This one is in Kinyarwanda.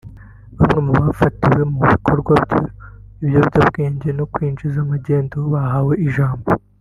Bamwe mu bafatiwe mu bikorwa bw’ibiyobyabwenge no kwinjiza magendu bahawe ijambo